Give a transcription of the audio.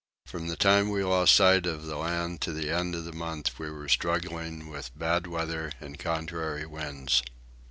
From the time we lost sight of the land to the end of the month we were struggling with bad weather and contrary winds.